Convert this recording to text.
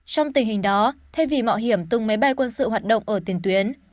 trong tình hình đó thay vì mạo hiểm từng máy bay quân sự hoạt động ở tiền tuyến